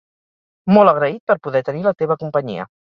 Molt agraït per poder tenir la teva companyia